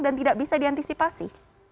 dan tidak bisa diantisipasi